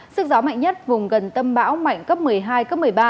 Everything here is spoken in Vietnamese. sức gió mạnh nhất vùng gần tâm bão mạnh cấp một mươi hai cấp một mươi ba